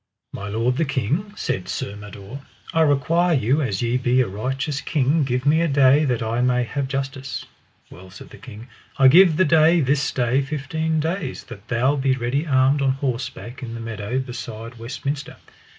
My lord, the king, said Sir Mador, I require you as ye be a righteous king give me a day that I may have justice. Well, said the king, I give the day this day fifteen days that thou be ready armed on horseback in the meadow beside Westminster.